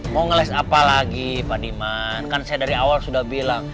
mau ngeles apa lagi pak diman kan saya dari awal sudah bilang